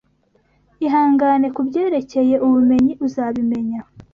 Ihangane kubyerekeye ubumenyi uzabimenya